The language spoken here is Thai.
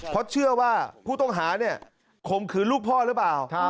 เพราะเชื่อว่าผู้ต้องหาเนี่ยข่มขืนลูกพ่อหรือเปล่า